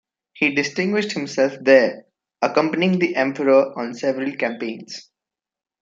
He distinguished himself there, accompanying the Emperor on several campaigns.